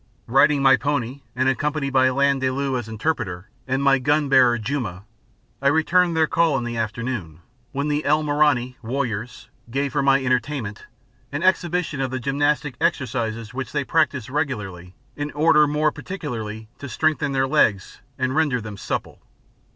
Riding my pony and accompanied by Landaalu as interpreter, and my gun bearer Juma, I returned their call in the afternoon, when the elmorani (warriors) gave for my entertainment an exhibition of the gymnastic exercises which they practise regularly in order more particularly to strengthen their legs and render them supple.